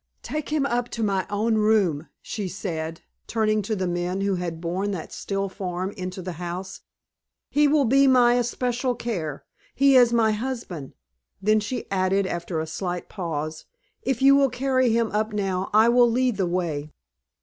"Take him up to my own room," she said, turning to the men who had borne that still form into the house. "He will be my especial care. He is my husband!" Then she added, after a slight pause: "If you will carry him up now, I will lead the way."